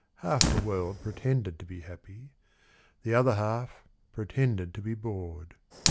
Half the world pretended to be happy, The other half pretended to be bored.